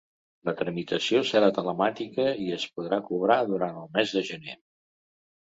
La tramitació serà telemàtica i es podrà cobrar durant el mes de gener.